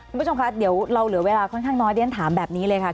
คุณผู้ชมคะเดี๋ยวเราเหลือเวลาค่อนข้างน้อยเรียนถามแบบนี้เลยค่ะ